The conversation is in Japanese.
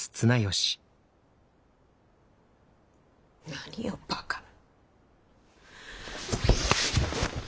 何をバカな。